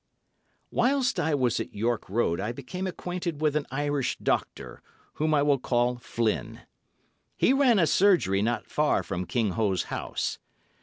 Whilst I was at York Road I became acquainted with an Irish doctor, whom I will call Flynn. He ran a surgery not far from King Ho's house.